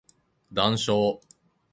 談笑